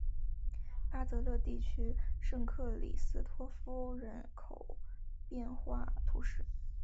巴泽勒地区圣克里斯托夫人口变化图示